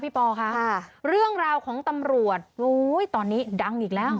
ปอค่ะเรื่องราวของตำรวจโอ้ยตอนนี้ดังอีกแล้ว